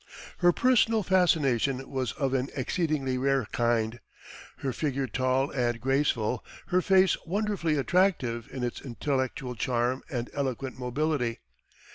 Her personal fascination was of an exceedingly rare kind, her figure tall and graceful, her face wonderfully attractive in its intellectual charm and eloquent mobility.